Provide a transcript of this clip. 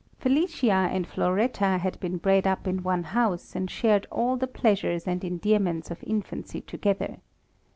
Felicia and Floretta had been bred up in one house, and shared all the pleasures and endearments of infancy together.